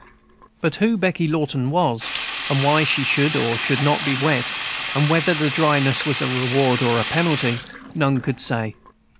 But who Becky Lawton was, and why she should or should not be wet, and whether the dryness was a reward or a penalty, none could say.